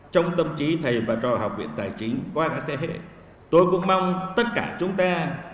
trong tâm trí thầy và trò học viện tài chính qua các thế hệ tôi cũng mong tất cả chúng ta